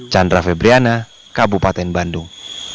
chandra febriana kabupaten bandung